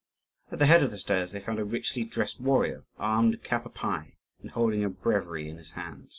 At the head of the stairs, they found a richly dressed warrior, armed cap a pie, and holding a breviary in his hand.